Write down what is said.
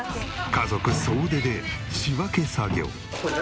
家族総出で仕分け作業。